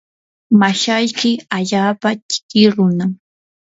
mashayki allaapa chiki runam.